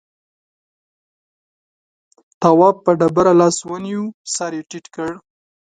تواب په ډبره لاس ونيو سر يې ټيټ کړ.